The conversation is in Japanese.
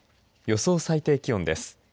予想最低気温です。